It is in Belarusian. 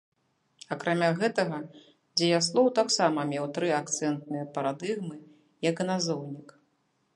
Акрамя гэтага, дзеяслоў таксама меў тры акцэнтныя парадыгмы, як і назоўнік.